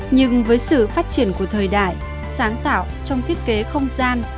nhưng với sự phát triển của thời đại sáng tạo trong thiết kế không gian